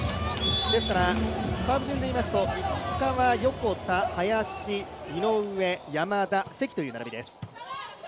ですから、サーブ順でいいますと石川、横田、林、井上、山田、関という並びです。